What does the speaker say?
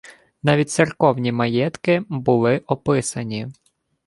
Навіть церковні маєтки були «описані»